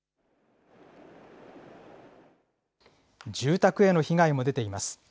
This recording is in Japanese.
住宅への被害も出ています。